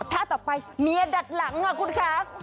ท่าต่อไปเมียดัดหลังค่ะคุณคะ